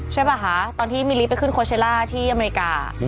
ใช่ป่ะคะตอนที่มิลลิไปขึ้นโคเชล่าที่อเมริกา